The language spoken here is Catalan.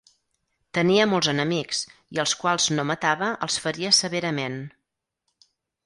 Tenia molts enemics, i als quals no matava els feria severament.